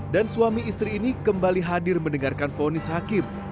dan suami istri ini kembali hadir mendengarkan ponis hakim